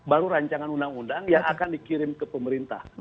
baru rancangan undang undang yang akan dikirim ke pemerintah